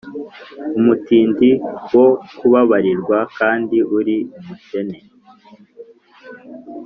Umutindi wo kubabarirwa kandi uri umukene